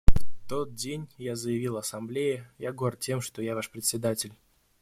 В тот день я заявил Ассамблее: «Я горд тем, что я ваш Председатель».